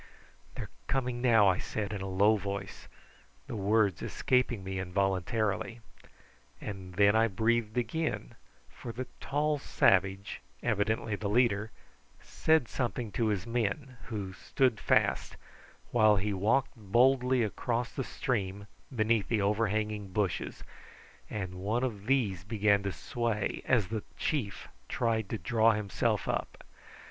"They're coming now," I said in a low voice, the words escaping me involuntarily. And then I breathed again, for the tall savage, evidently the leader, said something to his men, who stood fast, while he walked boldly across the stream beneath the overhanging bushes, and one of these began to sway as the chief tried to draw himself up.